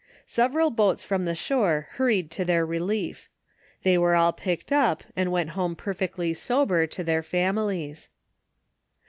Several boats from the shore hurried to their relief. They were all picked up, and went home, perfectly sober, to their families.